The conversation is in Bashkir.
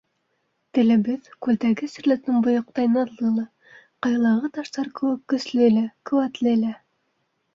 Телебеҙ күлдәге серле томбойоҡтай наҙлы ла, ҡаялағы таштар кеүек көслө лә, ҡеүәтле лә.